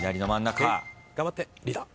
頑張ってリーダー。